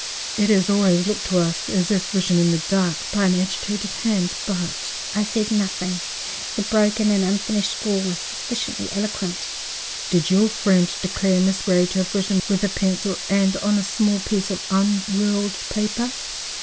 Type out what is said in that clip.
"It has always looked to us as if written in the dark, by an agitated hand; but—" I said nothing; the broken and unfinished scrawl was sufficiently eloquent. "Did your friend declare Miss Grey to have written with a pencil and on a small piece of unruled paper?"